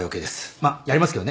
まあやりますけどね。